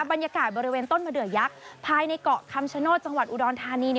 บรรยากาศบริเวณต้นมะเดือยักษ์ภายในเกาะคำชโนธจังหวัดอุดรธานี